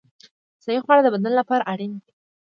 صحي خواړه د بدن لپاره اړین دي.